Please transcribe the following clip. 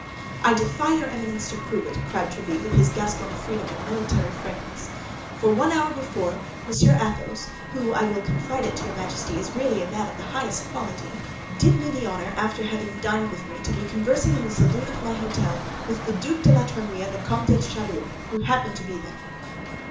"I defy your Eminence to prove it," cried Tréville, with his Gascon freedom and military frankness; "for one hour before, Monsieur Athos, who, I will confide it to your Majesty, is really a man of the highest quality, did me the honor after having dined with me to be conversing in the saloon of my hôtel, with the Duc de la Trémouille and the Comte de Châlus, who happened to be there."